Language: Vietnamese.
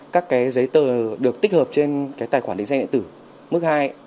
các cái giấy tờ được tích hợp trên tài khoản định danh định tử mức hai